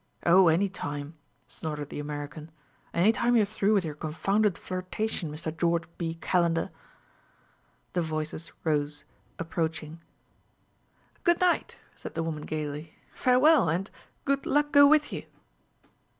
"Oh, any time!" snorted the American. "Any time you're through with your confounded flirtation, Mr. George B. Calendar!" The voices rose, approaching. "Good night," said the woman gaily; "farewell and good luck go with you!"